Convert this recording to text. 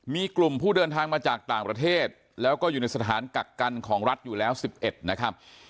มีกลุ่มผู้เดินทางมาจากต่างประเทศแล้วก็อยู่ในสถานกักกันของรัฐอยู่แล้ว๑๑นะครับ